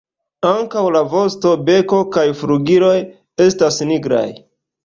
Ankaŭ la vosto, beko kaj flugiloj estas nigraj.